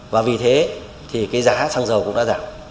và vì thế thì cái giá xăng dầu cũng đã giảm